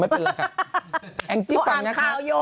ไม่เป็นไรค่ะแองจี้ฟังนะคะ